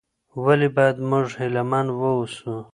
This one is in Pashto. ولي بايد موږ هيله من واوسو؟